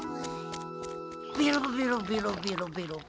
ベロベロベロベロベロ。